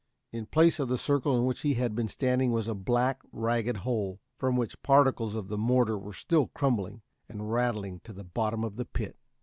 In place of the circle in which he had been standing was a black, ragged hole, from which particles of the mortar were still crumbling and rattling to the bottom of the pit.